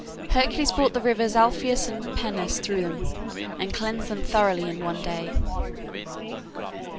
Hercules brought the rivers Alpheus and Peneus through them, and cleansed them thoroughly in one day.